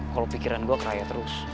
kalau pikiran gue ke raya terus